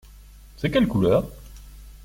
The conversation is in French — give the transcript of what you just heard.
C’est quelle couleur ?